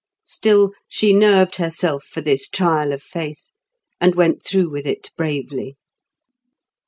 Still, she nerved herself for this trial of faith, and went through with it bravely.